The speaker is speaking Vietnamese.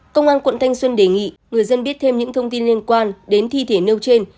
công an quận thanh xuân đề nghị người dân biết thêm những thông tin liên quan đến thi thể nêu trên